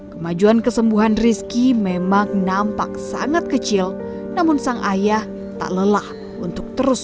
kemajuan kesembuhan rizky memang nampak sangat kecil namun sang ayah tak lelah untuk terus